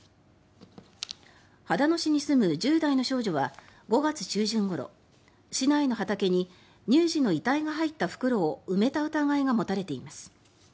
秦野市に住む１０代の少女は５月中旬ごろ市内の畑に乳児の遺体が入った袋を埋めた疑いが持たれています。